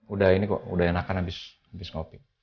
udah ini kok udah enakan habis ngopi